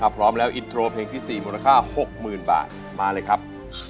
พร้อมแล้วอินโทรเพลงที่๔มูลค่า๖๐๐๐บาทมาเลยครับ